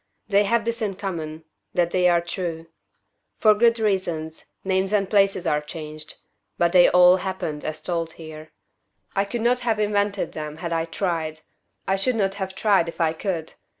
They have this in common, that they are true. For good reasons, names and places are changed, but they all happened as told here. I could not have invented them had I tried; I should not have tried if I could.